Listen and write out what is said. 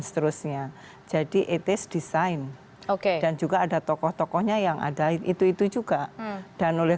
seterusnya jadi etis design oke dan juga ada tokoh tokohnya yang ada itu itu juga dan oleh